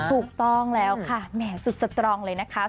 ถูกต้องค่ะสุดสตรองเลยนะคะครับ